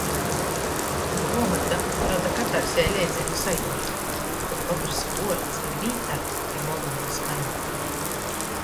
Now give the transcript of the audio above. Gruomota roda katarsei leidzeigū sajiutu, kod kotrys vuords ir vītā i volūda skaņ.